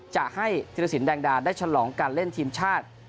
จะให้ธิรสินแดงดาได้ฉลองการเล่นทีมชาติ